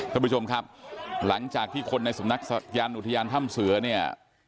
ท่านผู้ชมครับหลังจากที่คนในสำนักยานอุทยานถ้ำเสือเนี่ย